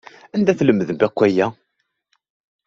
Anda ay tlemdem akk aya?